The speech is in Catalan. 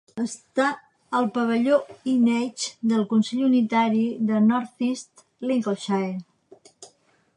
Està al pavelló Heneage del consell unitari de North East Lincolnshire.